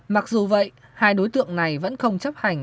mặc dù vậy hai đối tượng này vẫn không chấp hành